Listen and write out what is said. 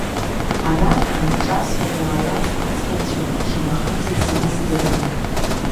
Ара аанҿасра иаауаз аӡӷабцәа, шамахамзар зегьы здыруан.